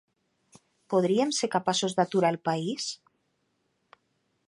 Podríem ser capaços d’aturar el país?